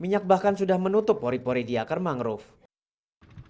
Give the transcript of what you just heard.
minyak bahkan sudah menutup pori pori di akar mangrove